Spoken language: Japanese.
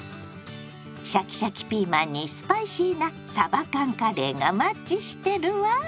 シャキシャキピーマンにスパイシーなさば缶カレーがマッチしてるわ。